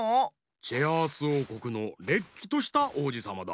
チェアースおうこくのれっきとしたおうじさまだ。